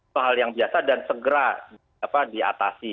soal yang biasa dan segera diatasi